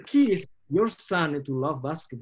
anakmu harus suka bola bola bukan kamu